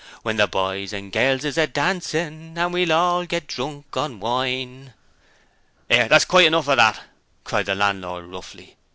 Where the boys an' girls is a dancing, An' we'll all get drunk on wine.' ''Ere! that's quite enough o' that!' cried the landlord, roughly.